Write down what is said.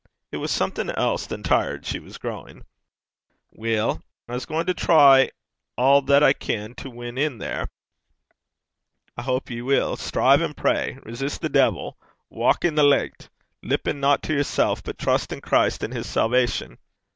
It was something else than tired she was growing. 'Weel, I'm gaein' to try a' that I can to win in there.' 'I houp ye will. Strive and pray. Resist the deevil. Walk in the licht. Lippen not to yersel', but trust in Christ and his salvation.'